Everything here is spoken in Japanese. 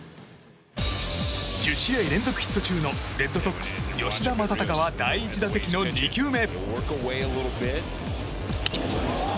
１０試合連続ヒット中のレッドソックス、吉田正尚は第１打席の２球目。